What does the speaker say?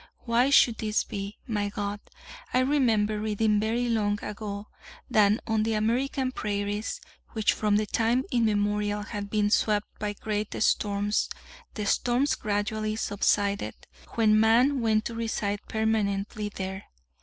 Why should this be, my God? I remember reading very long ago that on the American prairies, which from time immemorial had been swept by great storms, the storms gradually subsided when man went to reside permanently there.